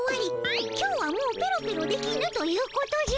今日はもうペロペロできぬということじゃ。